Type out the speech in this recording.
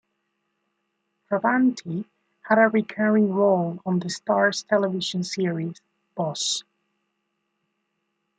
Travanti had a recurring role on the Starz television series "Boss".